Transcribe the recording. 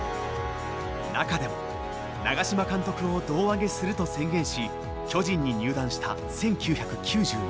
中でも長嶋監督を胴上げすると宣言し巨人に入団した１９９４年。